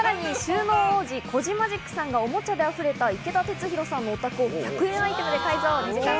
さらに収納王子・コジマジックさんがおもちゃで溢れた池田鉄洋さんのお宅を１００円アイテムで改造。